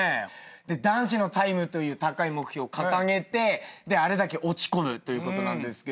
男子のタイムという高い目標を掲げてあれだけ落ち込むということなんですけども。